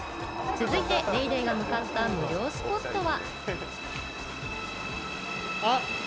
続いて『ＤａｙＤａｙ．』が向かった無料スポットは。